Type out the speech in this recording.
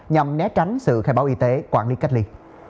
nhằm né tránh sự khai báo y tế quản lý cách ly